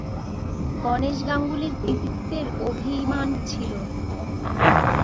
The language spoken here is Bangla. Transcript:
গণেশ গাঙ্গুলির কৃতিত্বের অভিমান ছিল।